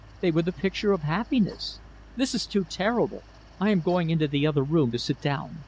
They were the picture of happiness. This is too terrible. I am going into the other room to sit down.